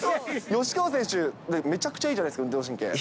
吉川選手、めちゃくちゃいいじゃないですか、運動神経。